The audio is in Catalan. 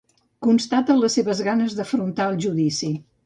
Constata les seves ganes d'afrontar el judici.